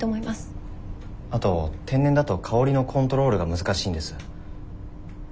あと天然だと香りのコントロールが難しいんです。